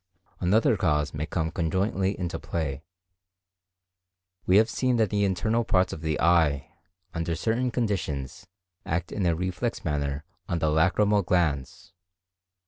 Another cause may come conjointly into play. We have seen that the internal parts of the eye, under certain conditions act in a reflex manner on the lacrymal glands.